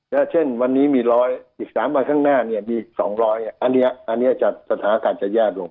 และเช่นวันนี้มี๑๐๐อีก๓วันข้างหน้าเนี่ยมี๒๐๐อันนี้สถานการณ์จะแย่ลง